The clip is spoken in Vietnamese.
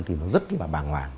thì nó rất là bảng hoảng